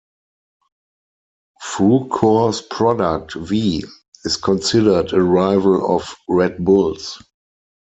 Frucor's product, V, is considered a rival of Red Bull's.